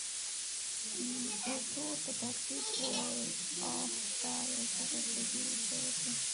ایټور په تعجب وویل، اوه خدایه! زه به په دې څه وکړم.